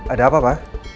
ada apa pak